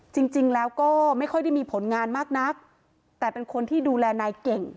จริงจริงแล้วก็ไม่ค่อยได้มีผลงานมากนักแต่เป็นคนที่ดูแลนายเก่ง